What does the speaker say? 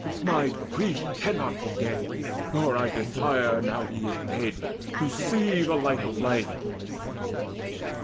My grief cannot forget, nor I desire, Now he is dead, to see the light of life."